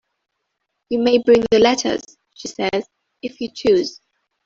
"You may bring the letters," she says, "if you choose."